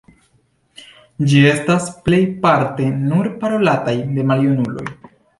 Ĝi estas plejparte nur parolataj de maljunuloj.